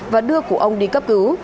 và đưa cụ ông đi cấp cứu